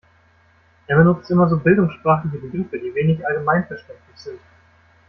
Er benutzt immer so bildungssprachliche Begriffe, die wenig allgemeinverständlich sind.